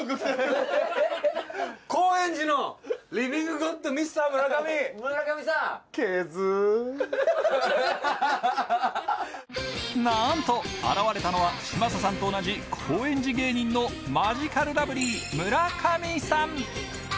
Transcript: ゴッドなんと現れたのは嶋佐さんと同じ高円寺芸人のマヂカルラブリー村上さん